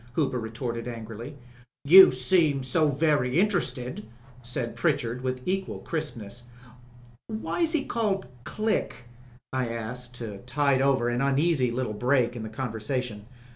Hooper retorted angrily. "You seemed so very interested," said Pritchard with equal crispness. "Why was he called Click?" I asked to tide over an uneasy little break in the conversation.